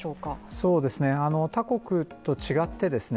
そうですね他国と違ってですね